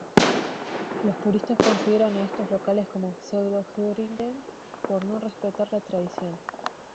Los puristas consideran a estos locales como "Pseudo-Heurigen" por no respetar la tradición.